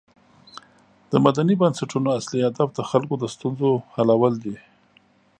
د مدني بنسټونو اصلی هدف د خلکو د ستونزو حلول دي.